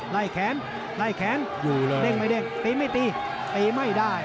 ไล่แขนอ่าได้ไหมตีไม่ตีตีไม่ได้